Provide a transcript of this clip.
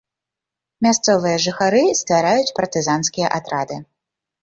Мясцовыя жыхары ствараюць партызанскія атрады.